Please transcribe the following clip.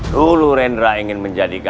dulu rendra ingin menjadi ganda